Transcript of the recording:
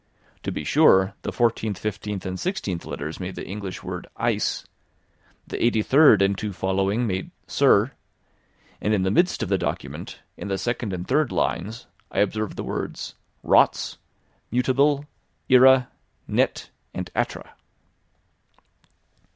To be sure the fourteenth, fifteenth and sixteenth letters made the English word 'ice'; the eighty third and two following made 'sir'; and in the midst of the document, in the second and third lines, I observed the words, "rots," "mutabile," "ira," "net," "atra."